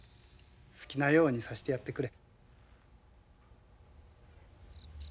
好きなようにさしてやってくれ。